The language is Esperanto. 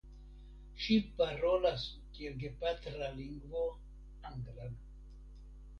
Ŝi parolas kiel gepatra lingvo anglan.